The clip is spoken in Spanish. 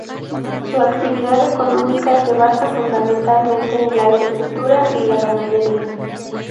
Su actividad económica se basa fundamentalmente en la agricultura y la ganadería.